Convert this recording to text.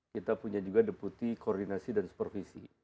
kita punya juga deputi koordinasi dan supervisi